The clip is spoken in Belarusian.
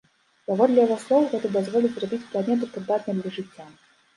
Паводле яго слоў, гэта дазволіць зрабіць планету прыдатнай для жыцця.